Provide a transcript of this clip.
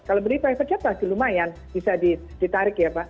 kalau beli private jet pasti lumayan bisa ditarik ya